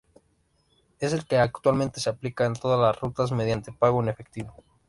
Es el que actualmente se aplica en todas las rutas mediante pago en efectivo.